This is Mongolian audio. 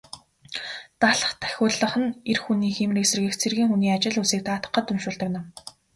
Далха тахиулах нь эр хүний хийморийг сэргээх, цэргийн хүний ажил үйлсийг даатгахад уншуулдаг ном.